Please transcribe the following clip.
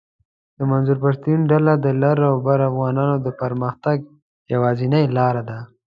د منظور پشتین ډله د لر اوبر افغانانو د پرمختګ یواځنۍ لار ده